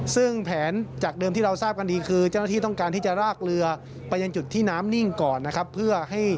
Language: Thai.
ซึ่งแผนจากเดิมที่เราทราบกันดีคือ